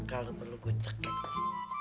kalau perlu gue ceket